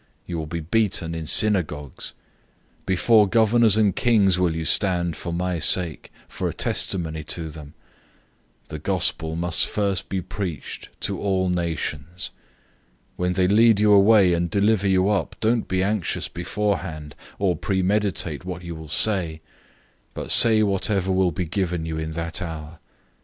You will be beaten in synagogues. You will stand before rulers and kings for my sake, for a testimony to them. 013:010 The Good News must first be preached to all the nations. 013:011 When they lead you away and deliver you up, don't be anxious beforehand, or premeditate what you will say, but say whatever will be given you in that hour.